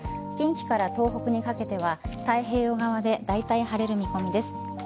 近畿から東北にかけては太平洋側でだいたい晴れる見込みです。